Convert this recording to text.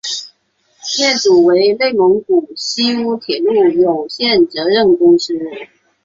业主为内蒙古锡乌铁路有限责任公司。